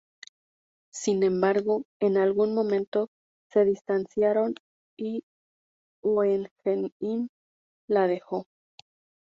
Sin embargo, en algún momento se distanciaron, y Hohenheim la dejó.